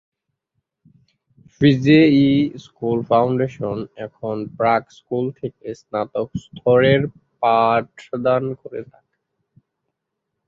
ফিজে-ই school foundation এখন প্রাক school থেকে স্নাতক স্তরের পাঠদান করে থাকে।